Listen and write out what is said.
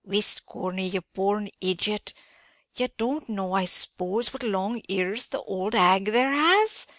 "Whist, Corney, ye born idiot, ye don't know I s'pose what long ears the old hag there has?